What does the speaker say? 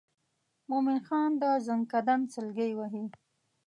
مومن خان د زکندن سګلې وهي.